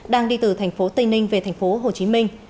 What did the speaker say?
đang đi từ thành phố tây ninh về thành phố hồ chí minh